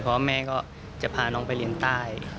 เพราะว่าแม่ก็จะพาน้องไปเรียนใต้